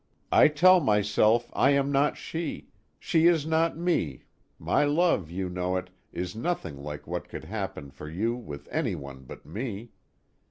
I tell myself, I am not she, she is not me, my love (you know it) is nothing like what could happen for you with anyone but me.